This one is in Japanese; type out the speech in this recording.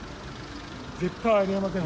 絶対ありえません。